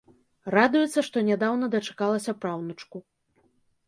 Радуецца, што нядаўна дачакалася праўнучку.